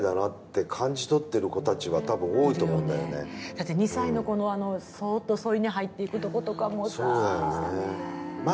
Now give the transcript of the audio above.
だって２歳の子のそっと添い寝入っていくとことか。